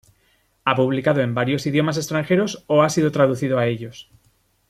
Ha publicado en varios idiomas extranjeros o ha sido traducido a ellos.